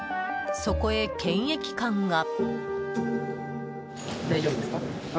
そこへ検疫官が。